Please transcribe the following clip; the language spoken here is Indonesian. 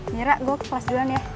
mira gue ke kelas duluan ya